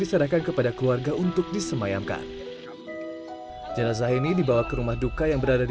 diserahkan kepada keluarga untuk disemayamkan jenazah ini dibawa ke rumah duka yang berada di